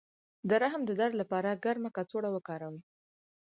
د رحم د درد لپاره ګرمه کڅوړه وکاروئ